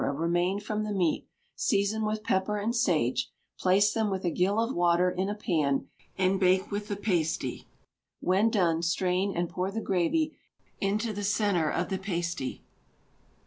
remain from the meat, season with pepper and sage, place them with a gill of water in a pan, and bake with the pasty; when done, strain and pour the gravy into the centre of the pasty.